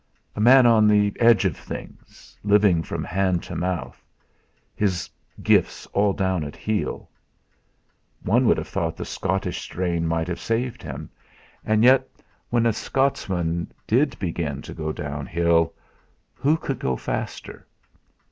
A man on the edge of things; living from hand to mouth; his gifts all down at heel! One would have thought the Scottish strain might have saved him; and yet, when a Scotsman did begin to go downhill, who could go faster?